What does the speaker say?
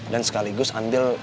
dan sekaligus ambil